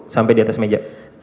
sampai di atas meja